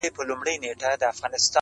جنگ روان ـ د سولي په جنجال کي کړې بدل.